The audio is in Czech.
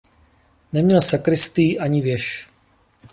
Neměl sakristii ani věž.